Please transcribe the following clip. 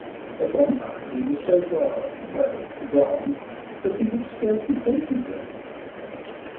At one time he was so far well gone, that he would scarcely take his rent."